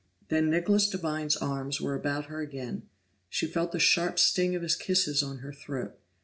Then Nicholas Devine's arms were about her again; she felt the sharp sting of his kisses on her throat.